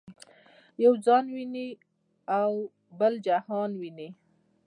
یو ځان ویني او بل جهان ویني.